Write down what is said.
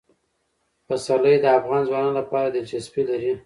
پسرلی د افغان ځوانانو لپاره دلچسپي لري.